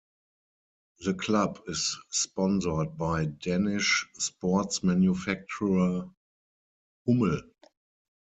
The club is sponsored by Danish sports manufacturer Hummel.